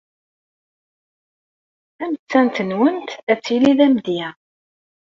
Tamettant-nwent ad tili d amedya.